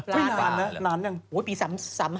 จริงเหรอร้านนั้นหรือเปล่าโอ้โฮปี๑๙๓๕๑๙๓๖อ่ะ